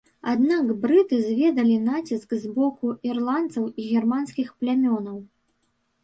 Аднак брыты зведалі націск з боку ірландцаў і германскіх плямёнаў.